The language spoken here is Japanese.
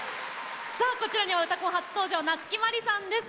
さあこちらには「うたコン」初登場夏木マリさんです。